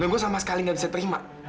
dan gue sama sekali nggak bisa terima